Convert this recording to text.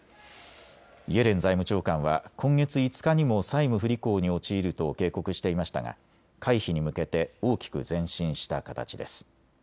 イエレン財務長官は今月５日にも債務不履行に陥ると警告していましたが回避に向けて大きく前進した形です。